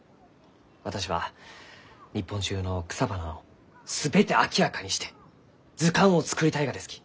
私は日本中の草花を全て明らかにして図鑑を作りたいがですき。